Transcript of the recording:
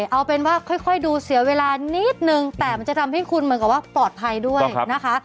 เอาเป็นว่าค่อยดูเสียเวลานิดนึงแต่มันจะทำให้คุณเหมือนกับว่าปลอดภัยด้วยนะคะ